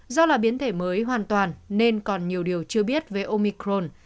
do là biến thể mới hoàn toàn nên còn nhiều điều chưa biết về omicron